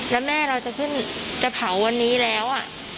แล้วแม่เราจะขึ้นจะเผาวันนี้แล้ว